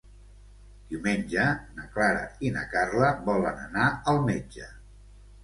Diumenge na Clara i na Carla volen anar al metge.